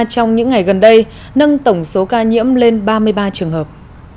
trong những ngày gần đây nâng tổng số ca nhiễm lên ba mươi ba trường hợp